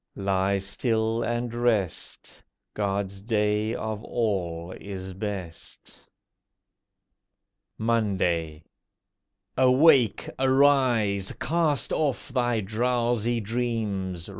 Lie still and rest— God's day of all is best. MONDAY Awake! arise! Cast off thy drowsy dreams!